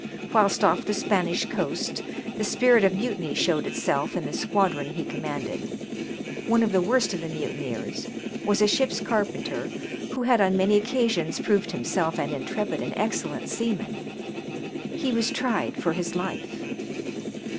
Whilst off the Spanish coast the spirit of mutiny showed itself in the squadron he commanded. One of the worst of the muti neers was a ship's carpenter, who had on many occa sions proved himself an intrepid and excellent seaman. He was tried for his life.